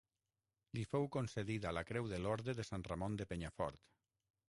Li fou concedida la creu de l'Orde de Sant Ramon de Penyafort.